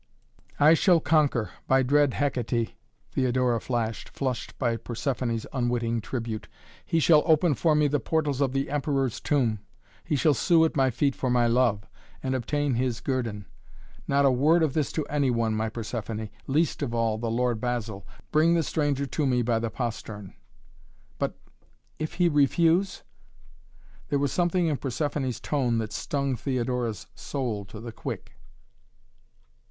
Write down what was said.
"I shall conquer by dread Hekaté," Theodora flashed, flushed by Persephoné's unwitting tribute. "He shall open for me the portals of the Emperor's Tomb, he shall sue at my feet for my love and obtain his guerdon. Not a word of this to anyone, my Persephoné least of all, the Lord Basil. Bring the stranger to me by the postern " "But if he refuse?" There was something in Persephoné's tone that stung Theodora's soul to the quick.